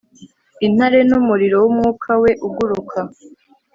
Intare numuriro wumwuka we uguruka